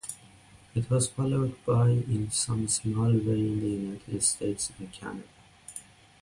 It was followed by "In Some Small Way" in the United States and Canada.